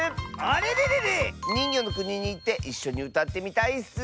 あれれれれ！にんぎょのくににいっていっしょにうたってみたいッス！